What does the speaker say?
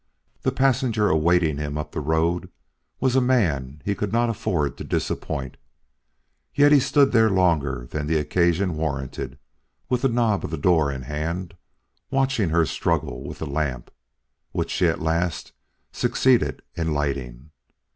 The passenger awaiting him up the road was a man he could not afford to disappoint; yet he stood there longer than the occasion warranted, with the knob of the door in hand, watching her struggle with the lamp, which she at last succeeded in lighting.